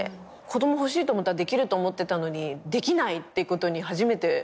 子供ほしいと思ったらできると思ってたのにできないってことに初めて。